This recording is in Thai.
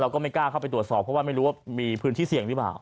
ก็ไม่กล้าเข้าไปตรวจสอบเพราะว่าไม่รู้ว่ามีพื้นที่เสี่ยงหรือเปล่า